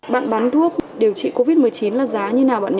bạn bán thuốc điều trị covid một mươi chín là giá như nào bạn nhỉ